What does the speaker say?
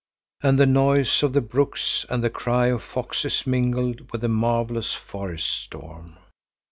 And the noise of the brooks and the cry of foxes mingled with the marvellous forest storm.